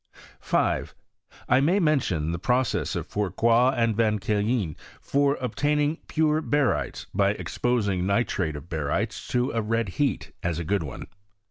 5. I may mention the process of Fourcroy and Vauquelin for obtaining pure barytes, by exposal; nitrate of barytes to a red heat, as a good one.